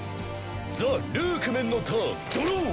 ザ・ルークメンのターン！